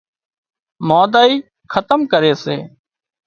مانۮائي کتم ڪري سي